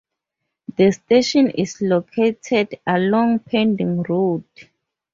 The station is located along Pending Road.